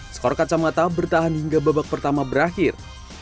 skor kacamata bertahan hingga babak pertama berakhir